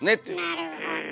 なるほど。